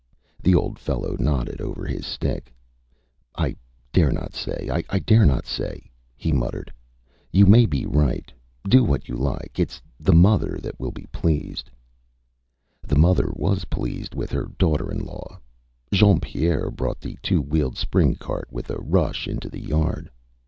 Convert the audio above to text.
Â The old fellow nodded over his stick. ÂI dare say; I dare say,Â he muttered. ÂYou may be right. Do what you like. ItÂs the mother that will be pleased.Â The mother was pleased with her daughter in law. Jean Pierre brought the two wheeled spring cart with a rush into the yard.